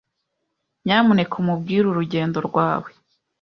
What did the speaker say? Nyamuneka umbwire urugendo rwawe.